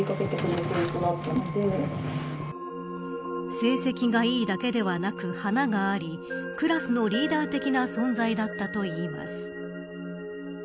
成績がいいだけではなく華がありクラスのリーダー的な存在だったといいます。